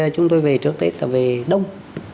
chúng tôi về trước tết là về đông